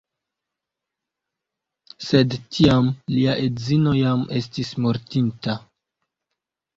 Sed tiam lia edzino jam estis mortinta.